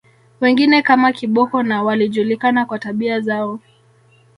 Wengine kama Kiboko na walijulikana kwa tabia zao